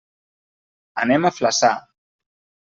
Anem a Flaçà.